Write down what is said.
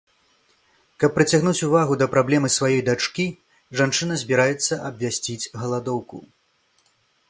Каб прыцягнуць увагу да праблемы сваёй дачкі, жанчына збіраецца абвясціць галадоўку.